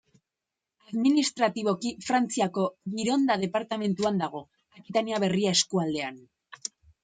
Administratiboki Frantziako Gironda departamenduan dago, Akitania Berria eskualdean.